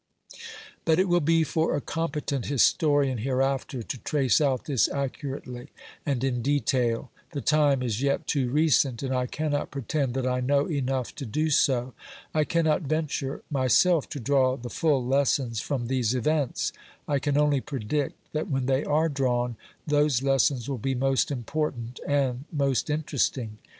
But it will be for a competent historian hereafter to trace out this accurately and in detail; the time is yet too recent, and I cannot pretend that I know enough to do so. I cannot venture myself to draw the full lessons from these events; I can only predict that when they are drawn, those lessons will be most important, and most interesting.